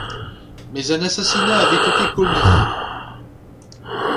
Mais un assassinat avait été commis.